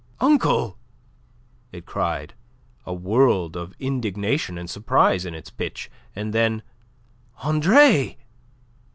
"Uncle!" it cried, a world of indignation and surprise in its pitch, and then: "Andre!"